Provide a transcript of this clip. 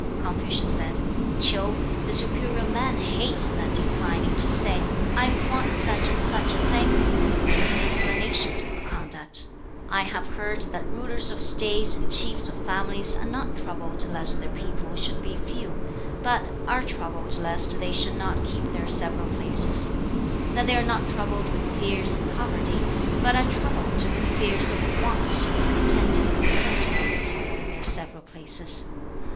9. Confucius said. 'Ch'iu, the superior man hates that declining to say "I want such and such a thing," and framing explanations for the conduct. 10. 'I have heard that rulers of States and chiefs of families are not troubled lest their people should be few, but are troubled lest they should not keep their several places; that they are not troubled with fears of poverty, but are troubled with fears of a want of contented repose among the people in their several places.